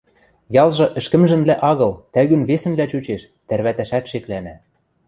Ялжы ӹшкӹмжӹнлӓ агыл, тӓгӱн весӹнлӓ чучеш, тӓрвӓтӓшӓт шеклӓнӓ.